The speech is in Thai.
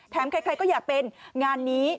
ใครก็อยากเป็นงานนี้